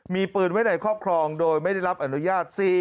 มีปืนไว้ในครอบครองโดยไม่ได้รับอนุญาต